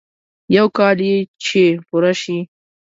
يو کال يې چې پوره شي.